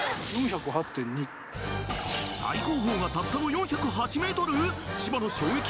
最高峰がたったの４０８ｍ！？